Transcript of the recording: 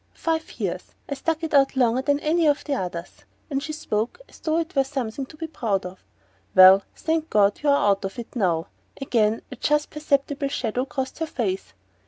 "Five years. I stuck it out longer than any of the others." She spoke as though it were something to be proud of. "Well, thank God you're out of it now!" Again a just perceptible shadow crossed her face.